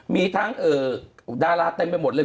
มีทั้งดาราเต็มไปหมดเลย